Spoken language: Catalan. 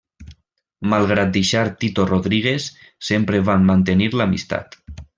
Malgrat deixar Tito Rodríguez, sempre van mantenir l'amistat.